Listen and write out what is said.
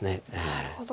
なるほど。